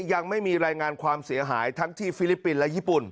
ยังไม่มีรายงานความเสียหายทั้งที่ฟิลิปปินส์และญี่ปุ่น